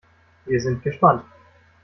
Wir sind gespannt.